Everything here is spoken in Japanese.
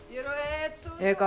ええか？